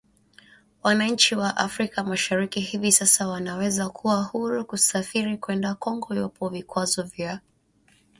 Wananchi wa Afrika Mashariki hivi sasa wanaweza kuwa huru kusafiri kwenda Kongo iwapo vikwazo vya kusafiri na biashara kama vile dola hamsini ya visa vimeondolewa.